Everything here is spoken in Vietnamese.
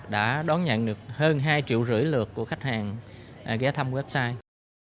đã đón nhận được hơn hai triệu rưỡi lượt của khách hàng ghé thăm website